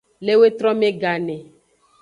Le wetrome gane.